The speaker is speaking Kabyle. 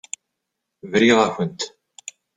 Briɣ-akent.